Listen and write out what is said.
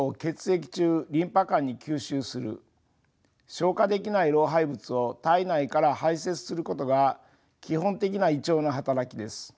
消化できない老廃物を体内から排せつすることが基本的な胃腸の働きです。